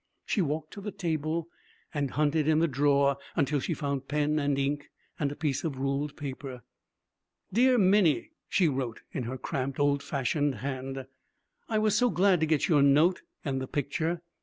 She walked to the table and hunted in the drawer until she found pen and ink and a piece of ruled paper. 'Dear Minnie,' she wrote in her cramped, old fashioned hand, 'I was so glad to get your note and the picture.